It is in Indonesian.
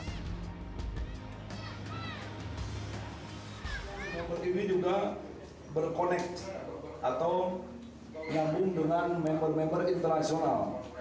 airport ini juga berkonek atau nyambung dengan member member internasional